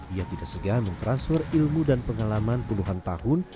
ia tidak segan mentransfer ilmu dan pengalaman puluhan tahun